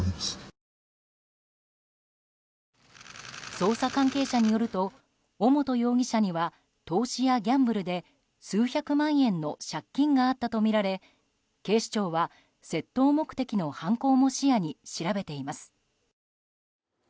捜査関係者によると尾本容疑者には投資やギャンブルで数百万円の借金があったとみられ警視庁は窃盗目的の犯行も視野に調べています。